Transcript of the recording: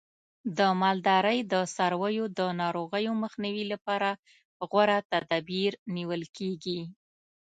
د مالدارۍ د څارویو د ناروغیو مخنیوي لپاره غوره تدابیر نیول کېږي.